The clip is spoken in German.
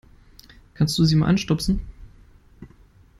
Kannst du sie mal anstupsen?